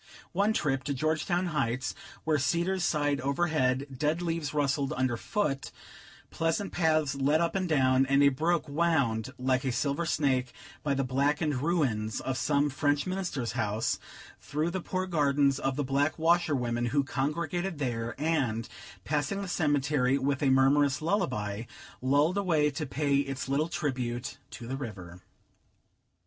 One trip to Georgetown Heights, where cedars sighed overhead, dead leaves rustled underfoot, pleasant paths led up and down, and a brook wound like a silver snake by the blackened ruins of some French Minister's house, through the poor gardens of the black washerwomen who congregated there, and, passing the cemetery with a murmurous lullaby, rolled away to pay its little tribute to the river.